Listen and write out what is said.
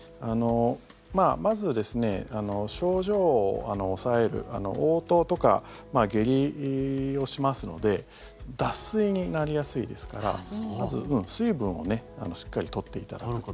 まず症状を抑えるおう吐とか下痢をしますので脱水になりやすいですからまず、水分をしっかり取っていただく。